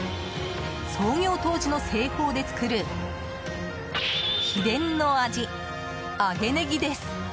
創業当時の製法で作る秘伝の味、揚げネギです。